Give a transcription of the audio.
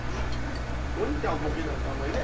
お兄ちゃんはボケないんですあんまりね。